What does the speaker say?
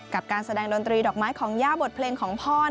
การแสดงดนตรีดอกไม้ของย่าบทเพลงของพ่อ